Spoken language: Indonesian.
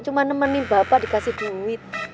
cuma nemenin bapak dikasih duit